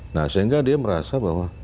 nah sehingga dia merasa bahwa